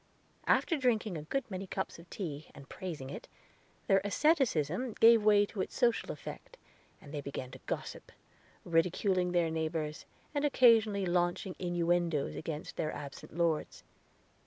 After drinking a good many cups of tea, and praising it, their asceticism gave way to its social effect, and they began to gossip, ridiculing their neighbors, and occasionally launching innuendoes against their absent lords.